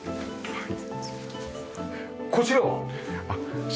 はい。